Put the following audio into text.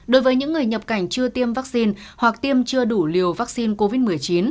đối với những người nhập cảnh chưa tiêm vaccine hoặc tiêm chưa đủ liều vaccine covid một mươi chín